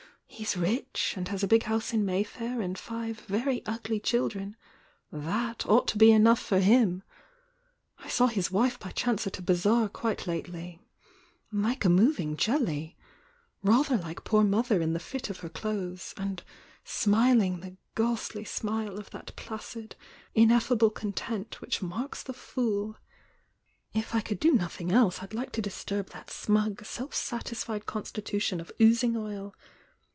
He s rich, and has a big house in Mayfair and five very ugly children,— t/iat ought to be enough for himl I saw his wife by chance at a bazaar quite lately—like a moving jelly !— rather like poor moth er in the fit of her clothes, and smiling the ghastly smile of that placid, ineffable content which marks the fool! If I could do nothing else I'd like to dis turb that smug, self satisfied constitution of oozing oil!